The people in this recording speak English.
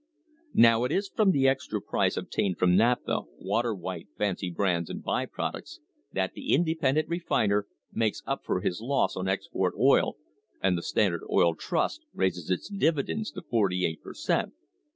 Now it is from the extra price ob tained from naphtha, water white, fancy brands, and by products that the independent refiner makes up for his loss on export oil, and the Standard Oil Trust raises its dividends to forty eight per cent.